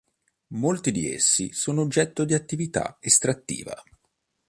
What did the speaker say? Molti di essi sono oggetto di attività estrattiva.